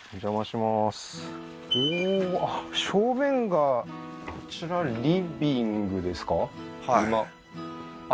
正面がこちらリビングですか？